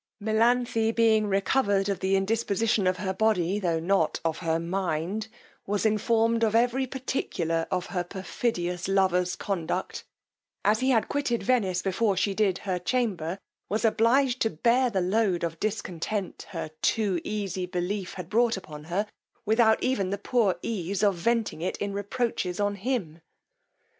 Melanthe being recovered of the indisposition of her body, tho' not of her mind, was informed of every particular of her perfidious lover's conduct as he had quitted Venice before she did her chamber, was obliged to bear the load of discontent her too easy belief had brought upon her, without even the poor ease of venting it in reproaches on him.